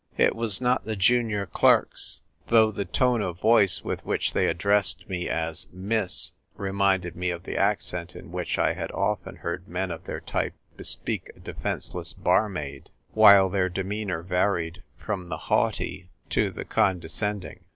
It was not the junior clerks ; though the tone of voice with which they addressed me as " Miss " reminded me of the accent in which I had often heard men of their type bespeak a defenceless barmaid ; while their demeanour varied from the haughty to the ENVIRONMENT WINS. 35 condescending.